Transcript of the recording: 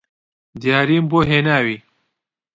دیاریم بۆ هێناوی